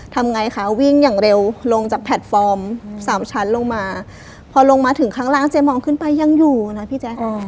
ทำไงคะวิ่งอย่างเร็วลงจากแพลตฟอร์มสามชั้นลงมาพอลงมาถึงข้างล่างเจ๊มองขึ้นไปยังอยู่นะพี่แจ๊ค